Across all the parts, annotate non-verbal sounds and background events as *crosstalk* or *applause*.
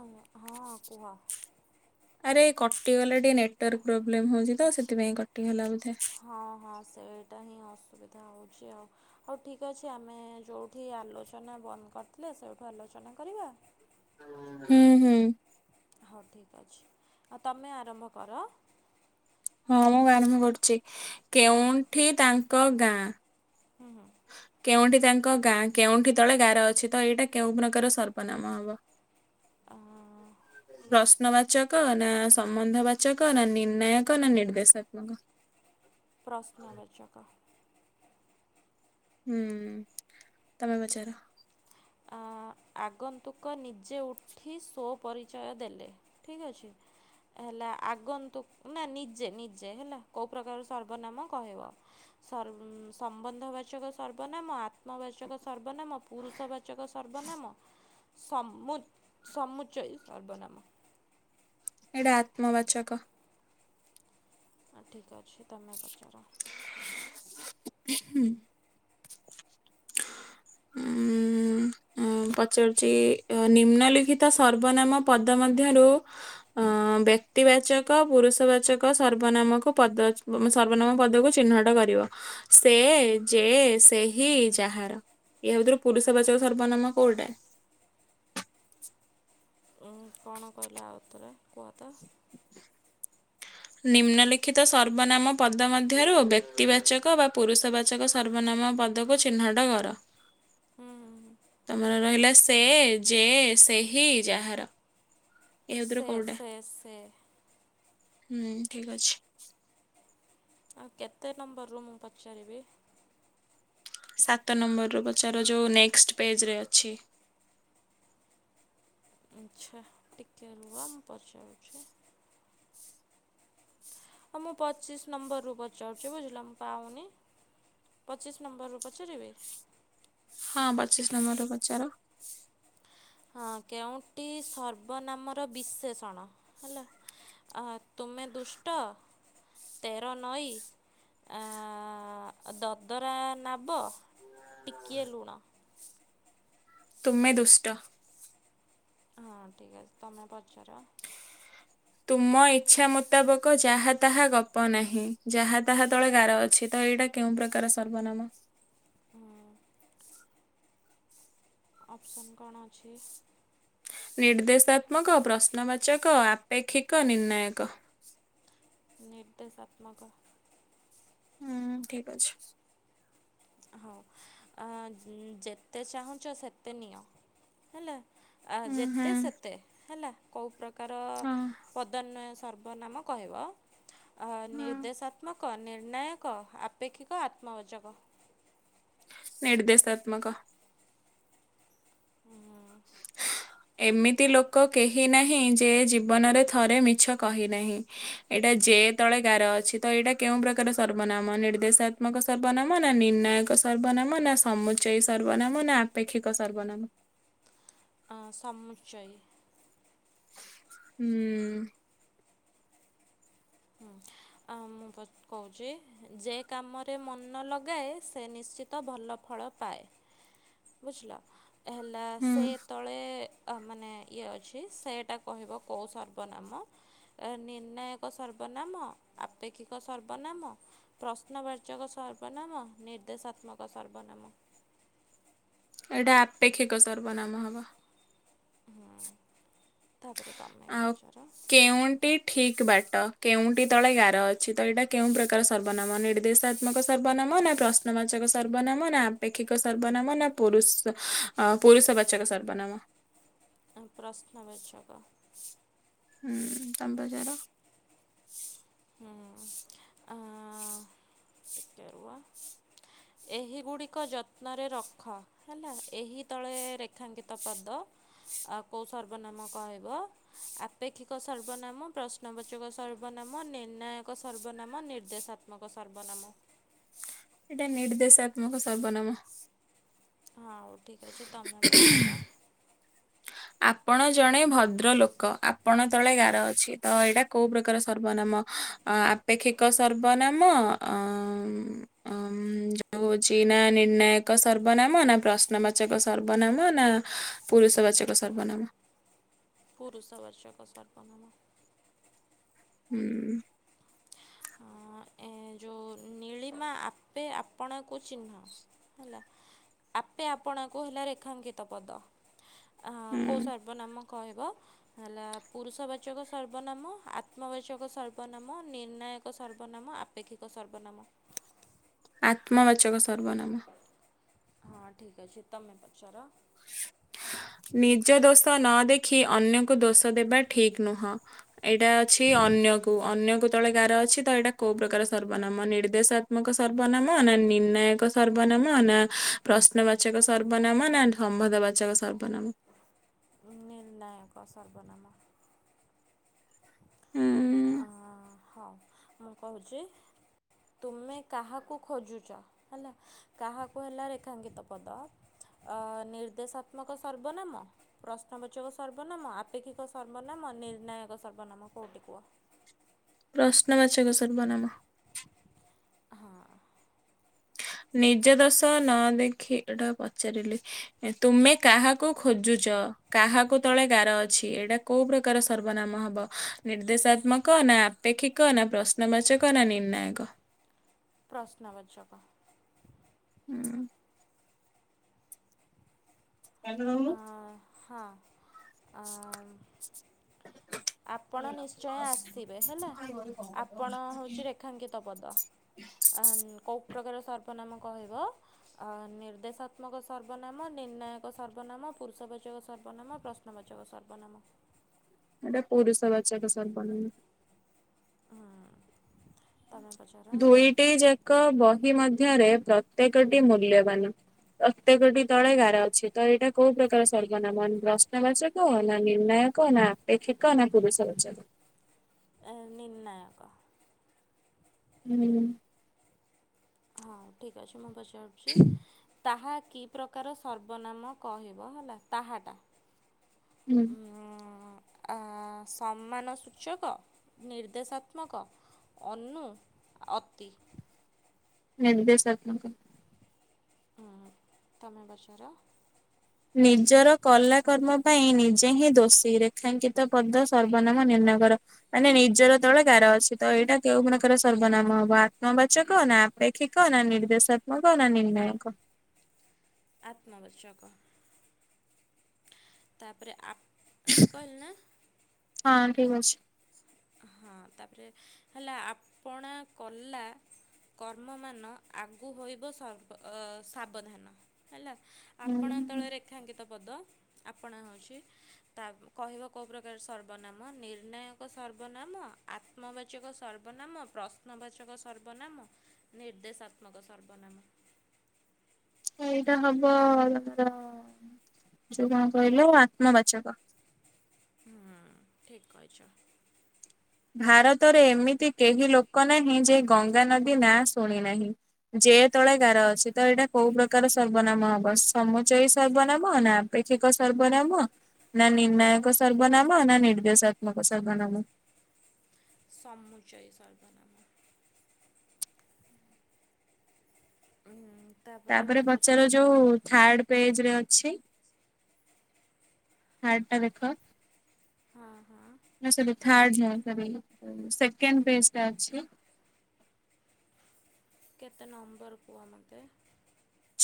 ଆଉଁ, ହଁ କୁହ। ଆରେ କଟିଗଲା ଟିକେ ନେଟୱାର୍କ ପ୍ରୋବ୍ଲେମ୍ ହଉଛି ତ ସେଥିପାଇଁ କଟିଗଲା ବୋଧେ। ହଁ, ହଁ ସେଇ ଟା ହିଁ ଅସୁବିଧା ହଉଛି ଆଉ। ହଉ ଠିକ୍ ଅଛି ଆମେ ଯୋଉଠି ଆଲୋଚନା ବନ୍ଦ କରିଥିଲେ ସେଇଠୁ ଆଲୋଚନା କରିବା? ହୁଁ, ହୁଁ। ହଉ ଠିକ୍ ଅଛି, ଆଉ ତୋମେ ଆରମ୍ଭ କର। ହଁ ମୁଁ ଆରମ୍ଭ କରୁଛି, କେଉଁଠି ତାଙ୍କ ଗାଁ? ହଁ, ହଁ। କେଉଁଠି ତାଙ୍କ ଗାଁ? କେଉଁଠି ତଳେ ଗାର ଅଛି ତ ଏଇଟା କେଉଁ ପ୍ରକାର ସର୍ବନାମ ହବ? ଆ, ହଁ, ହଁ। ପ୍ରଶ୍ନବାଚକ ନା ସମ୍ବନ୍ଧ ବାଚକ ନା ନିର୍ଣ୍ଣାୟକ ନା ନିର୍ଦ୍ଦେଶାତ୍ମକ? ପ୍ରଶ୍ନବାଚକ। ହୁଁ, ତୋମେ ପଚାର? ଆଗନ୍ତୁକ ନିଜେ ଉଠି ସୋ ପରିଚୟ ଦେଲେ ଠିକ୍ ଅଛି। ହେଲା ଆଗନ୍ତୁ ନା ନିଜେ ନିଜେ ହେଲା, କୋଉ ପ୍ରକାର ସର୍ବନାମ କହିବ? ସର୍ ଉଁ, ସମ୍ବନ୍ଧ ବାଚକ ସର୍ବନାମ, ଆତ୍ମବାଚକ ସର୍ବନାମ, ପୁରୁଷ ବାଚକ ସର୍ବ ବନାମ ସମୁ ସମୁଚୟ ସର୍ବନାମ। ଏଇଟା ଆତ୍ମବାଚକ। ହଁ ଠିକ ଅଛି ତୋମେ ପଚାର। ହୁଁ। ଉଁ, ଉଁ, ପଚାରୁଛି ଅ, ନିମ୍ନଲିିଖିତ ସର୍ବନାମ ପଦ ମଧ୍ୟରୁ ଅଁ, ବ୍ୟକ୍ତି ବାଚକ ପୁରୁଷ ବାଚକ ସର୍ବନାମକୁ ପଦ ବ- ମୋ ସର୍ବନାମ ପଦକୁ ଚିହ୍ନଟ କରିବ। ସେ, ଯେ, ସେହି, ଯାହାର। ଏହା ଭିତରୁ ପୁରୁଷବାଚକ ସର୍ବନାମ କୋଉଟା? ଉଁ, କଣ କହିଲ ଆଉଥରେ କୁହ ତ। ନିମ୍ନଲିିଖିତ ସର୍ବନାମ ପଦ ମଧ୍ୟରୁ ବ୍ୟକ୍ତି ବାଚକ ବା ପୁରୁଷ ବାଚ ଚକ ସର୍ବନାମ ପଦକୁ ଚିହ୍ନଟ କର। ହୁଁ, ହୁଁ। ତୋମର ରହିଲା ସେ, ଯେ, ସେହି, ଯାହାର। ଏହା ଭିତରୁ ସେ କୋଉଟା? ସେ ସେ ହୁଁ, ଠିକ ଅଛି। ଆଉ କେତେ ନମ୍ବର ରୁ ମୁଁ ପଚାରିବି? ସାତ ନମ୍ବର୍ ରୁ ପଚାର ଯୋଉ ନେକ୍ସଟ୍ ପେଜ୍ ରେ ଅଛି। ଆଚ୍ଛା, ଟିକେ ରୁହ ମୁଁ ପଚାରୁଛି। ହଁ ମୁଁ ପଚିଶ ନମ୍ବରରୁ ପଚାରୁଛି ବୁଝିଲ ମୁଁ ପାଉନି। ପଚିଶ ନମ୍ବରରୁ ପଚାରିବି? ହଁ ପଚିଶ ନମ୍ବରରୁ ପଚାର। ହଁ କେଉଁଟିି ସର୍ବନାମର ବିଶେଷଣ ହେଲା? ଆ ତୁମେ ଦୁଷ୍ଟ ତେର ନଈ ଆ ଆ ଦଦରା ନାବ। ଟିକେ ଲୁଣ। ତୁମେ ଦୁଷ୍ଟ। ହଁ ଠିକ୍ ଅଛି ତମେ ପଚାର? ତୁମ ଇଚ୍ଛା ମୁତାବକ ଯାହା ତାହା ଗପ ନାହିଁ ଯାହା ତାହା ତଳେ ଗାର ଅଛି ତ ଏଇଟା କେଉଁ ପ୍ରକାର ସର୍ବନାମ? ହୁଁ। ଅପ୍ସନ୍ କଣ ଅଛି? ନିର୍ଦ୍ଦେଶାତ୍ମକ, ପ୍ରଶ୍ନବାଚକ, ଆପେକ୍ଷିକ ନିର୍ଣ୍ଣୟକ। ନିର୍ଦ୍ଦେଶାତ୍ମକ। ହୁଁ ଠିକ ଅଛି। ହଉ ଆ ଯେତେ ଚାହୁଁଛ ସେତେ ନିଅ ହେଲା। ଆ ହୁଁ ହୁଁ ଯେତେ ସେତେ ହେଲା କୋଉ ପ୍ରକାର ହଁ ପଦନ୍ୱୟ ସର୍ବନାମ କହିବ ଆଁ ହଁ ନିର୍ଦ୍ଦେଶା ତ୍ମକ ନିର୍ଣ୍ଣୟକ ଆପେକ୍ଷିକ ଆତ୍ମବାଚକ। ନିର୍ଦ୍ଦେଶାତ୍ମକ। ହୁଁ। ଏମିତି ଲୋକ କେହି ନାହିଁ ଯେ ଜୀବନରେ ଥରେ ମିଛ କହି ନାହିଁ ଏଇଟା ଯେ ତଳେ ଗାର ଅଛି। ତ ଏଇଟା କେଉଁ ପ୍ରକାର ସର୍ବନାମ ନିର୍ଦ୍ଦେଶାତ୍ମକ ସର୍ବନାମ ନା ନିର୍ଣ୍ଣୟକ ସର୍ବନାମ ନା ସମୁଚୟୀ ସର୍ବନାମ ନା ଆପେକ୍ଷିକ ସର୍ବନାମ? ଅଁ ସମୁଚୟୀ। ହୁଁ। ହୁଁ ଆ ମୁଁ ପ କହୁଛି। ହେଁ ଯେ କାମରେ ମନ ଲଗାଏ ସେ ନିଶ୍ଚିତ ଭଲ ଫଳ ପାଏ। ବୁଝିଲ ହେଲା ହୁଁ ସେ ତଳେ ଅ ମାନେ ଇଏ ଅଛି ସେଇଟା କହିବ କୋଉ ସର୍ବନାମ ଏ ନିର୍ଣ୍ଣାୟକ ସର୍ ବନାମ ଆପେକ୍ଷିକ ସର୍ବନାମ ପ୍ରଶ୍ନବାଚକ, ସର୍ବନାମ ନିର୍ଦ୍ଦେଶାତ୍ମକ ସର୍ବନାମ। ଏଇ୍ଟା ଆପେକ୍ଷିକ ସର୍ବନାମ ହବ‌। ହୁଁ ତାପରେ ତମେ ପଚାର। କେଉଁଠି ଠିକ ବାଟ କେଉଁଠି ତଳେ ଗାର ଅଛି ତ ଏଇଟା କେଉଁ ପ୍ରକାର ସର୍ବନାମ ନିର୍ଦ୍ଦେଶା ତ୍ମକ ସର୍ବନାମ ନା ପ୍ରଶ୍ନବାଚକ ସର୍ବନାମ ନା ଆପେକ୍ଷିକ ସର୍ବନାମ ନା ପୁରୁଷ ଅଁ ପୁରୁଷ ବାଚକ ସର୍ବନାମ। ଅଁ ପ୍ରଶ୍ନ ବାଚକ। ହୁଁ ତମେ ପଚାର। ହୁଁ ଆଁ ଟିକେ ରୁହ। ଏହିଗୁଡ଼ିକ ଯତ୍ନରେ ରଖ‌। ହେଲା ଏହି ତଳେ ରେଖାଙ୍କିତ ପଦ ଆଉ କୋଉ ସର୍ବନାମ କହିବ। ଆପେକ୍ଷିକ ସର୍ବନାମ, ପ୍ରଶ୍ନବାଚକ ସର୍ବନାମ ମ ନିର୍ଣ୍ଣାୟକ ସର୍ବନାମ ନିର୍ଦ୍ଦେଶାତ୍ମକ ସର୍ବନାମ। ସେଇଟା ନିର୍ଦ୍ଦେଶାତ୍ମକ ସର୍ବନାମ। ହଁ ହଉ ଠିକ ଅଛି ତମେ ପଚାର। ଆପଣ ଜଣେ ଭଦ୍ର ଲୋକ ଆପଣ ତଳେ ଗାର ଅଛି ତ ଏଇଟା କୋଉ ପ୍ରକାର ସର୍ବନାମ? ଅ ଆପେକ୍ଷିକ ସର୍ବନାମ ଅଁ ଯୋଉ ହଉଛି ନା ନିର୍ଣ୍ଣାୟକ ସର୍ବନାମ ନା ପ୍ରଶ୍ନବାଚକ ସର୍ବନାମ ନା ପୁରୁଷ ବାଚ୍ଚକ ସର୍ବନାମ। ପୁରୁଷ ବାଚକ ସର୍ବନାମ। ହୁଁ। ହଁ, ଏ ଯୋଉ ନୀଳିମା ଆପେ ଆପଣଙ୍କୁ ଚିହ୍ନ। ହେଲା ଆପେ ଆପଣଙ୍କୁ ହେଲା ରେଖାଙ୍କିତ ପଦ, କୋଉ ହୁଁ ସର୍ ବ ନାମ କହିବ। ହେଲା ପୁରୁଷବାଚକ ସର୍ବନାମ, ଆତ୍ମବାଚକ ସର୍ବନାମ, ନିର୍ଣ୍ଣାୟ କ ସର୍ବନାମ, ଆପେକ୍ଷିକ ସର୍ବନାମ। ଆତ୍ମବାଚକ ସର୍ବନାମ। ହଁ ଠିକ ଅଛି, ତମେ ପଚାର। ନିଜ ଦୋଷ ନ ଦେଖି ଅନ୍ୟକୁ ଦୋଷ ଦେବା ଠିକ ନୁହଁ। ଏଇଟା ଅଛି ଅନ୍ୟକୁ ଅନ୍ୟକୁ ତଳେ ଗାର ଅଛି ତ ଏଇଟା କୋଉ ପ୍ରକାର ସର୍ବନାମ ନିର୍ଦ୍ଦେଶାତ୍ମକ ସର୍ବନାମ ନା ନିର୍ଣ୍ଣାୟକ ସର୍ବନାମ ନା ପ୍ରଶ୍ନବାଚକ ସର୍ବନାମ ନା ସମ୍ବନ୍ଧ ବାଚକ ସର୍ବନାମ? ନିର୍ଣ୍ଣୟକ ସର୍ବନାମ। ଉଁ ହଉ ମୁଁ କହୁଚି। ତୁମେ କାହାକୁ ଖୋଜୁଚ ହେଲା। କାହାକୁ ହେଲା ରେଖାଙ୍କିତ ପଦଅ ନିର୍ଦ୍ଦେଶାତ୍ମକ ସର୍ବନାମ ପ୍ରଶ୍ନବାଚକ ସର୍ବନାମ ଆପେକ୍ଷିକ ସର୍ବନାମ ନିର୍ଣ୍ଣାୟକ ସର୍ବନାମ କୋଉଠି କୁହ। ପ୍ରଶ୍ନ ବାଚକ ସର୍ବନାମ। ହଁ। ନିଜ ଦୋଷ ନ ଦେଖି ଏଇଟା ପଚାରିଲି। ତୁମେ କାହାକୁ ଖୋଜୁଛ କାହାକୁ ତଳେ ଗାର ଅଛି ଏଇଟା କୋଉ ପ୍ରକାର ସର୍ବନାମ ହବ, ନିର୍ଦ୍ଦେଶାତ୍ମକ ନା ଆପେକ୍ଷିକ ନା ପ୍ର୍ ପ୍ରଶ୍ନ ବାଚକ ନା ନିର୍ଣ୍ନାୟକ? ପ୍ରଶ୍ନବାଚକ। ହୁଁ। ଅ, *unintelligible* ହଁ, ଆଁ ଆପଣ ନିଶ୍ଚୟ ଆସିବେ ହେଲା ଆପଣ ହଉଛି ରେ ଖାଙ୍କିତ ପଦ କେଉଁ ପ୍ରକାର ସର୍ବନାମ କହିବ? ଅ ନିର୍ଦ୍ଦେଶାତ୍ମକ ସର୍ବନାମ, ନିର୍ଣ୍ଣାୟକ ସର୍ବନାମ, ପୁରୁଷବାଚକ ସର୍ବନାମ, ପ୍ରଶ ଶ୍ନ ବାଚକ ସର୍ବନାମ। ଏଟା ପୁରୁଷ ବାଚକ ସର୍ବନାମ। ହଁ ତମେ ପଚାର। ଟି ଯାକ ବହି ମଧ୍ୟରେ ପ୍ରତ୍ୟେକଟି ମୂଲ୍ୟବାନ। ପ୍ରତେକଟି ତଳେ ଗାର ଅଛି ତ ଏଇଟା କୋଉ ପ୍ରକାର ସର୍ବନାମ ପ୍ରଶ୍ନ ବାଚ କ ନା ନିର୍ଣ୍ଣାୟକ ନା ଆପେକ୍ଷିକ ନା ପୁରୁଷ ବାଚକ? ଆ ନିର୍ଣ୍ଣାୟକ। *inaudible* ହଁ ଠିକ୍ ଅଛି ମୁଁ ପଚାରୁଛି ତାହା କି ପ୍ର ତାର ସର୍ବନାମ କହିବ ହେଲା ତାହାଟା ହୁଁ ଉମ ଉମ-ଆ ସମ୍ମାନ ସୂଚକ ନିର୍ଦ୍ଦେଶାତ୍ମକ ଅନୁ ଅତି। ନିର୍ଦେଶକଙ୍କ। ଆ *unintelligible* ନିଜର କଲା କର୍ମ ପାଇଁ ନିଜେ ହିଁ ଦୋଷୀ ରେଖାଙ୍କିତ ପଦ ସର୍ବନାମ ନିର୍ଣ୍ଣୟକର। ମାନେ ନିଜର ତଳେ ଗାର ଅଛି। ତ ଏଇଟା କେଉଁ *unintelligible* ସର୍ବନାମ ହବ? ଆତ୍ମବାଚକ ନା ଲେଖିକ ନା ନିର୍ଦ୍ଦେଶାତ୍ମକ ନା ନିର୍ଣ୍ଣାୟକ ଆତ୍ମବାଚକ ତାପରେ ଆପ ଠିକ୍ କହିଲି ନା? ହଁ ଠିକ୍ ଅଛି। ହଁ ତାପରେ ହେଲା ଆପଣା କଲା କର୍ମ ମାନ ଆଗୁ ହୋଇବ ସର୍ବ ଅ ସାବଧାନ ହେଲା। ଆପଣା ହୁଁ ତଳେ ରେଖାଙ୍କିତ ପଦ। ଆପଣା ହେଉଛି ତା କହିବ କେଉଁ ପ୍ରକାର ସର୍ବନାମ? ନିର୍ଣ୍ଣାୟକ ସର୍ବନାମ ଆତ୍ମବାଚକ ସର୍ବନାମ ପ୍ରଶ୍ନବାଚକ ସର୍ବନାମ ନିର୍ଦ୍ଦେଶାତ୍ମକ ସର୍ବନାମ। ଏଇଟା ହବ ଅ କଅଁ କହିଲ ଆତ୍ମବାଚକ। ହୁଁ ଠିକ୍ କହିଛ। ଭାରତରେ ଏମିତି କେହି ଲୋକ ନାହିଁ ଯେ ଗଙ୍ଗା ନଦୀ ନାଁ ଶୁଣି ନାହିଁ। ଯେ ତଳେ ଗାର ଅଛି। ତ ଏଇଟା କୋଉ ପ୍ରକାର ସର୍ବନାମ ହବ? ସମୁଚାୟୀ ସର୍ବନାମ ନା ଆପେକ୍ଷିକ ସର୍ବନାମ ନା ନିର୍ଣ୍ଣାୟକ ସର୍ବନାମ ନା ନିର୍ଦ୍ଦେଶାତ୍ମକ ସର୍ବନାମ। ସମୁଚୟ ସର୍ବନାମ। *inaudible* ତାପରେ ମୁଁ ପଚାର ପଚାରେ ଯୋଉ ଥାର୍ଡ ପେଜ ରେ ଅଛି। ହାର୍ଡ ଟା ଦେଖ? ହଁ ହଁ। ନା ସାର୍ ଥାଡ୍ ନୁହଁ ତା ପାଇଁ ସେକେଣ୍ଡ ପେଜ୍‌ ଟା ଅଛି। କେତେ ନମ୍ବର କୁଅ ମୋତେ?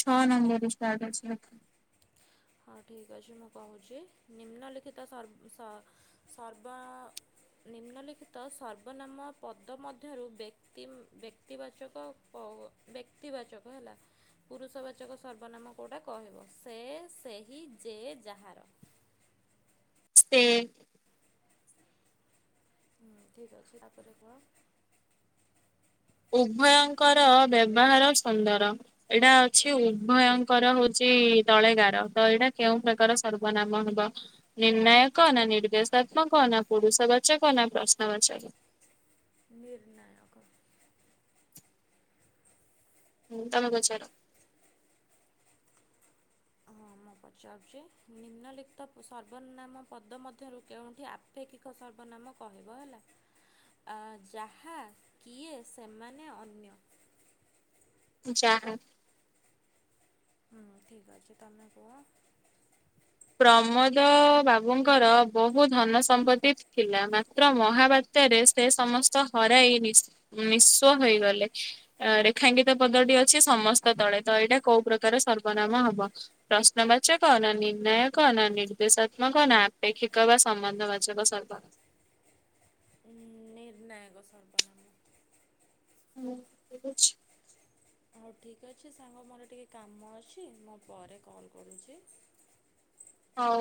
ଛଅ ନମ୍ବର ରୁ ଷ୍ଟାର୍ଟ ଅଛି ଲେଖା। ହଁ ଠିକ୍ ଅଛି ମୁଁ କହୁଛି ନିମ୍ନଲିିଖିତ ସର୍ବ ସ -ସର୍ବ ନିମ୍ନଲିଖିତ ସର୍ବନାମ ପଦ ମଧ୍ୟରୁ ଦେଖ ତିମ ବ୍ୟକ୍ତିବାଚକ -କ-ବ୍ୟକ୍ତିବାଚକ ହେଲା। ପୁରୁଷବାଚକ ସର୍ବନାମ କେଉଟା କହିବ? ସେ, ସେହି, ଯେ, ଯାହାର। ସେ। *inaudible* ହୁଁ ଠିକ ଅଛି ତାପରେ କୁହ? ଉଭୟଙ୍କର ବ୍ୟବହାର ସୁନ୍ଦର। ଏଇଟା ଅଛି ଉଭୟଙ୍କର ହଉଛି ତଳେଗାର ତ ଏଇଟା କେଉଁ ପ୍ରକାର ସର୍ବନାମ ହବ? ନିର୍ଣ୍ଣାୟକ ନା ନିର୍ଦ୍ଦେଶାତ୍ମକ ନା ପୁରୁଷ ବାଚକ ନା ପ୍ରଶ୍ନ ବାଚକ? ନିର୍ଣ୍ଣୟକ। ହୁଁ ତମକୁ ଛାଡ଼। ହଁ ମୁଁ ପଚାରୁଛି। ନିମ୍ନଲିଖିତ ସର୍ବନାମ ପଦ ମଧ୍ୟରୁ କେଉଁଠି ଆ *unintelligible* ସର୍ବନାମ କହିବ? ହେଲା। ଆ ଯାହା କିଏ ସେମାନେ ଅନ୍ୟ ଚାହାଁ। ହୁଁ ଠିକ୍ ଅଛି ତମେ କୁହ? ପ୍ରମୋଦ ବାବୁଙ୍କର ବହୁ ଧନ ସମ୍ପତ୍ତି ଥିଲା ମାତ୍ର ମହାବା ଭିତରେ ସେ ସମସ୍ତ ହରାଇ ନି ନିଶ୍ଵ ହୋଇଗଲେ। ଅ ରେଖାଙ୍ଗିତ ପଦଟି ଅଛି ସମସ୍ତ ତଳେ ତ ଏଇଟା କୋଉ ପ୍ରକାର ସର୍ବନାମ ହବ। ପ୍ରଶ୍ନବାଚ ନା ନି। ନ କଣ ନିର୍ଦ୍ଦେଶାତ୍ମକ କ ନା ଆପେକ୍ଷିକ ବା ସମ୍ବନ୍ଧ ବାଜବ ସରବ *unintelligible* ନିର୍ଣ୍ଣାୟକ ସର୍ ବନାମ। ହଁ ଠିକ ଅଛି। ହଉ ଠିକ୍ ଅଛି ସାଙ୍ଗ ମୋର ଟିକଏ କାମ ଅଛି ମୁଁ ପରେ କଲ୍ କରୁଛି। ହଉ।